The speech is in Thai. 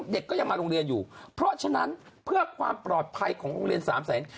เด็กก็ยังมาโรงเรียนอยู่เพราะฉะนั้นเพื่อความปลอดภัยของโรงเรียนสามแสน